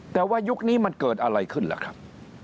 แต่ว่ายุคนี้มันเกิดอะไรขึ้นล่ะครับ